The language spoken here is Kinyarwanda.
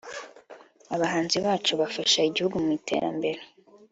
Abahanzi bacu bafasha igihugu mu iterambere